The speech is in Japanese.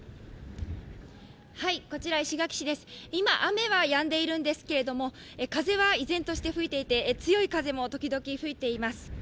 今、雨はやんでいるんですけども風は依然として吹いていて、強い風も時々吹いています。